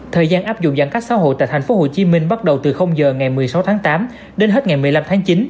thời gian áp dụng giãn cách xã hội tại tp hcm bắt đầu từ giờ ngày một mươi sáu tháng tám đến hết ngày một mươi năm tháng chín